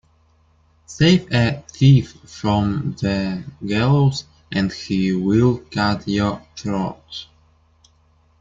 Save a thief from the gallows and he will cut your throat.